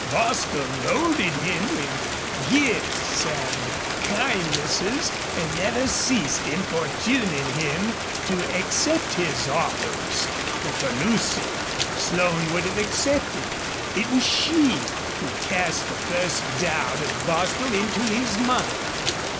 Bostil loaded him with gifts and kindnesses, and never ceased importuning him to accept his offers. But for Lucy, Slone would have accepted. It was she who cast the first doubt of Bostil into his mind.